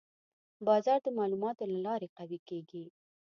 بازار د معلوماتو له لارې قوي کېږي.